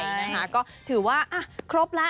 แยะและนะคะถือว่าครบละ